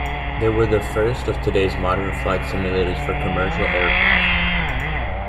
They were the first of today's modern flight simulators for commercial aircraft.